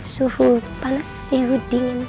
suhu panas suhu dingin